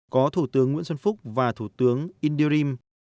có thủ tướng nguyễn xuân phúc và thủ tướng indirim